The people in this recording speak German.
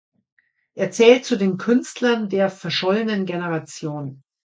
Er zählt zu den Künstlern der „verschollenen Generation“.